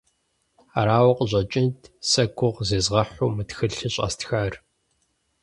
Арауэ къыщӏэкӏынт сэ гугъу зезгъэхьу мы тхылъыр щӏэстхар.